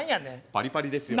パリパリですよ。